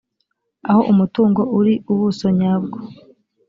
aho umutungo uri ubuso nyabwo